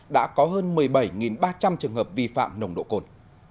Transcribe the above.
đã có hơn một mươi bảy ba trăm linh trường hợp vi phạm nồng độ cồn